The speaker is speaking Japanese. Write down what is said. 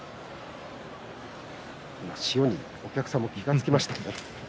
今、塩にお客さんも気が付きましたね。